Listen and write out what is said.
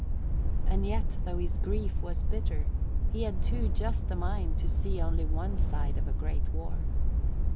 And yet, though his grief was bitter, he had too just a mind to see only one side of a great war.